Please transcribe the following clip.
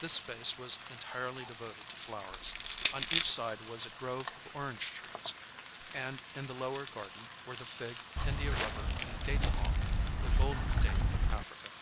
This space was entirely devoted to flowers: on each side was a grove of orange trees, and in the lower garden were the fig, India rubber and date palm, the golden date of Africa.